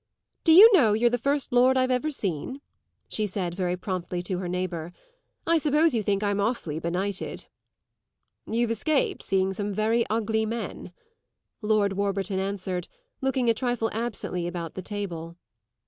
"Do you know you're the first lord I've ever seen?" she said very promptly to her neighbour. "I suppose you think I'm awfully benighted." "You've escaped seeing some very ugly men," Lord Warburton answered, looking a trifle absently about the table.